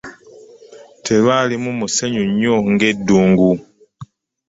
Terwalimu musenyu nnyo ng'eddungu.